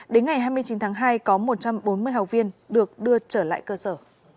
đến ngày hai mươi chín tháng hai có một trăm bốn mươi học viên được đưa trở lại cơ sở